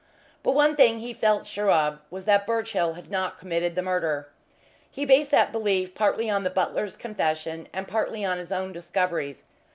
But one thing he felt sure of was that Birchill had not committed the murder. He based that belief partly on the butler's confession, and partly on his own discoveries.